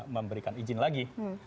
memberikan izin lagi